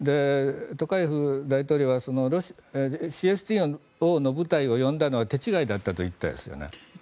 トカエフ大統領はＣＳＴＯの部隊を呼んだのは手違いだったと言ったんですね。